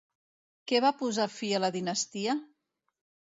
Què va posar fi a la dinastia?